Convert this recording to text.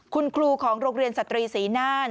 คุณครูของโรงเรียนสตรีศรีน่าน